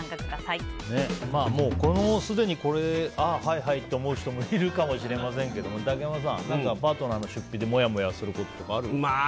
もう、すでにはいはいって思う人もいるかもしれませんけど竹山さん、パートナーの出費でモヤモヤすることある？